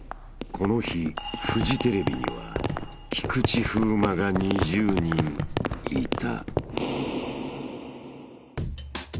［この日フジテレビには菊池風磨が２０人いた］